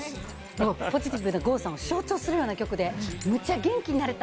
ポジティブな郷さんを象徴するような曲でめっちゃ元気になれた！